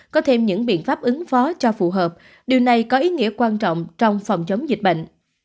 có thêm những biện pháp ứng phó cho phù hợp điều này có ý nghĩa quan trọng trong phòng chống dịch bệnh